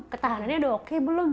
ketahanannya udah oke belum